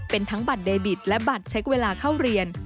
เป็นทั้งบัตรเดบิตและบัตรเช็คเวลาเข้าเรียน